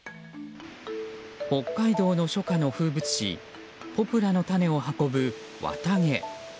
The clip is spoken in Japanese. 北海道の初夏の風物詩ポプラの種を運ぶ綿毛。